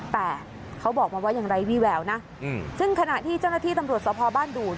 แต่เขาบอกมาว่ายังไร้วี่แววนะซึ่งขณะที่เจ้าหน้าที่ตำรวจสภบ้านดูด